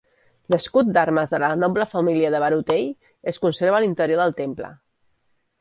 L'escut d'armes de la noble família de Barutell, es conserva a l'interior del temple.